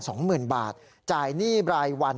สองหมื่นบาทจ่ายหนี้รายวัน